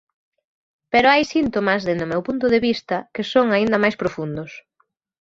Pero hai síntomas, dende o meu punto de vista, que son aínda máis profundos.